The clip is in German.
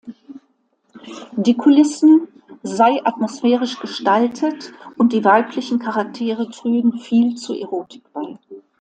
Die Kulissen sei atmosphärisch gestaltet und die weiblichen Charaktere trügen viel zur Erotik bei.